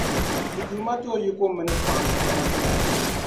Ti Duuma ti o yiko mini fahim ni baŋsim.